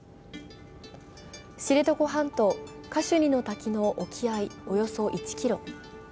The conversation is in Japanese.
知床半島カシュニの滝の沖合およそ１ｋｍ。